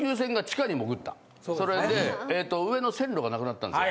それで上の線路が無くなったんですよ。